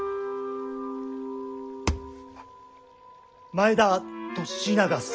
前田利長様。